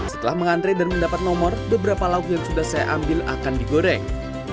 setelah mengantre dan mendapat nomor beberapa lauk yang sudah saya ambil akan digoreng